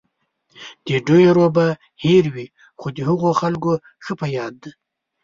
د ډېرو به هېر وي، خو د هغو خلکو ښه په یاد دی.